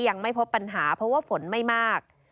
ยังไม่พบปัญหาเพราะว่าฝนไม่มาก